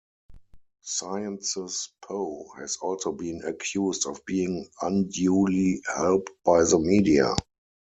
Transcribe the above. Sciences Po has also been accused of being unduly helped by the media.